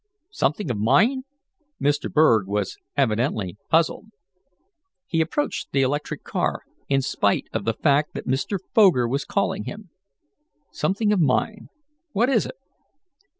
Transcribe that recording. "Something of mine?" Mr. Berg was evidently puzzled. He approached the electric car, in spite of the fact that Mr. Foger was calling him. "Something of mine? What is it?"